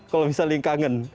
kalau misalnya kangen